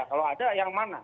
kalau ada yang mana